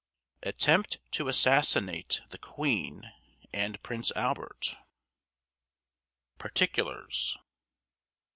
ATTEMPT TO ASSASSINATE THE QUEEN AND PRINCE ALBERT. PARTICULARS.